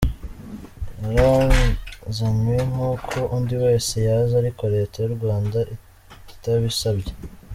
Yazanywe nk’uko undi wese yaza ariko Leta y’u Rwanda itabisabye.